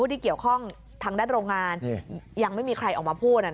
ที่เกี่ยวข้องทางด้านโรงงานยังไม่มีใครออกมาพูด